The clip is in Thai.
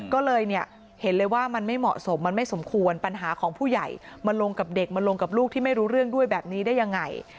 ก็เลยเนี่ยเห็นเลยว่ามันไม่เหมาะสมมันไม่สมควรปัญหาของผู้ใหญ่มาลงกับเด็กมันลงกับลูกที่ไม่รู้เรื่องด้วยแบบนี้ได้ยังไง